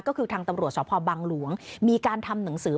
ก็คือทางตำรวจสพบังหลวงมีการทำหนังสือ